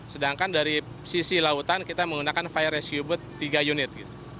sedangkan dari sisi lautan kita menggunakan fire ratiobooth tiga unit